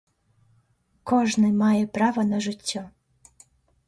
Кожны мае права на жыццё.